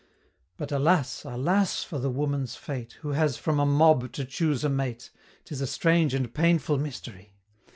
But, alas! alas! for the Woman's fate, Who has from a mob to choose a mate! 'Tis a strange and painful mystery!